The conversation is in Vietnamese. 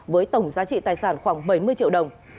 với tổng giá trị tài sản khoảng bảy mươi triệu đồng